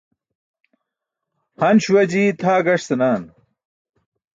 Han śuwa jii tʰaa gaṣ senaa.